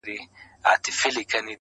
د کمزورو کنډوالې دي چي نړېږي،،!